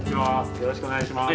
よろしくお願いします。